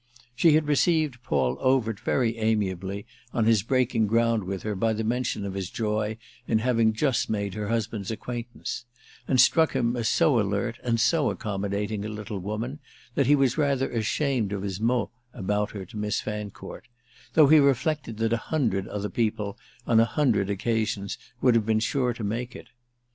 She had received Paul Overt very amiably on his breaking ground with her by the mention of his joy in having just made her husband's acquaintance, and struck him as so alert and so accommodating a little woman that he was rather ashamed of his mot about her to Miss Fancourt; though he reflected that a hundred other people, on a hundred occasions, would have been sure to make it.